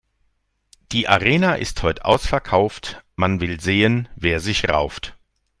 Die Arena ist heut' ausverkauft, man will sehen, wer sich rauft.